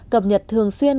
cập nhật thường xuyên